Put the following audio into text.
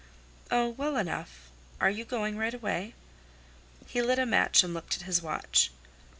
"Oh, well enough. Are you going right away?" He lit a match and looked at his watch.